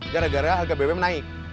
gara gara harga bbm naik